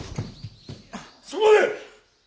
そこまで！